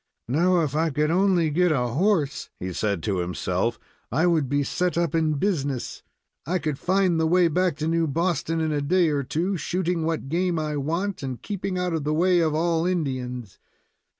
"Now, if I could only get a horse," he said to himself, "I would be set up in business. I could find the way back to New Boston in a day or two, shooting what game I want, and keeping out of the way of all Indians.